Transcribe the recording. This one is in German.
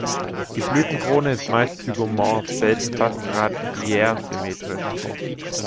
Die Blütenkrone ist meist zygomorph, selten fast radiärsymmetrisch.